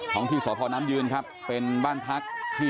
ของที่สพน้ำยืนครับเป็นบ้านพักที่